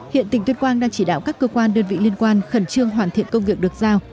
hiện tỉnh tuyên quang đang chỉ đạo các cơ quan đơn vị liên quan khẩn trương hoàn thiện công việc được giao